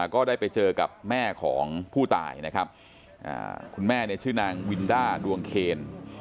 ก็ได้ไปเจอกับแม่ของผู้ตายนะครับคุณแม่เนี่ยชื่อนางวินด้าดวงเคน